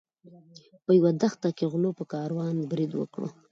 په یوه دښته کې غلو په کاروان برید وکړ.